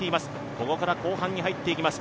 ここから後半に入ってきます。